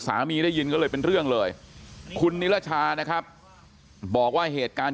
ได้ยินก็เลยเป็นเรื่องเลยคุณนิรชานะครับบอกว่าเหตุการณ์